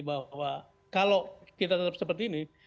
bahwa kalau kita tetap seperti ini